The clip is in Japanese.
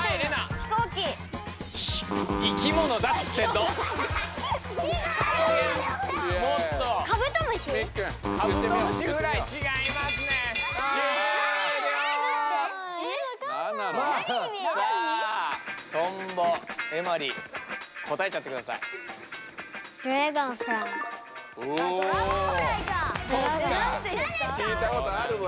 聞いたことあるわ。